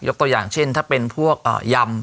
ตัวอย่างเช่นถ้าเป็นพวกยำ